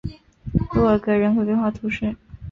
洛尔格人口变化图示